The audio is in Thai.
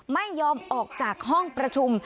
ไม่ยอมออกจากห้องประชุม